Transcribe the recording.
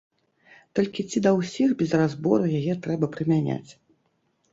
Толькі ці да ўсіх без разбору яе трэба прымяняць?